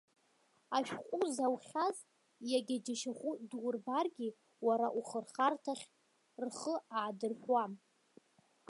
Ашәҟәы заухьаз, иагьа џьашьахәы дурбаргьы, уара ухырхарҭахь рхы аадырҳәуам.